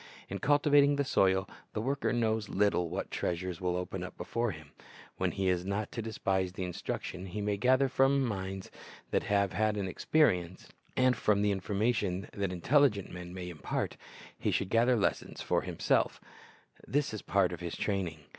In cultivating the soil the worker knows little what treasures will open up before him. While he is not to despise the instruction he may gather from minds that have had an experience, and from the information that intelligent men may impart, he should gather lessons for himself This is a part of his training.